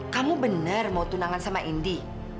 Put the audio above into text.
kamu benar mau tunangan sama indi